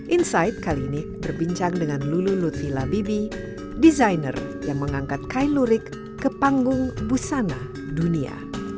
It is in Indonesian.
insight kali ini berbincang dengan lulu lutfi labibi desainer yang mengangkat kain lurik ke panggung busana dunia